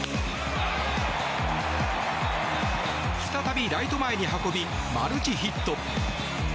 再びライト前に運びマルチヒット。